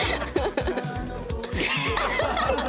ハハハハ！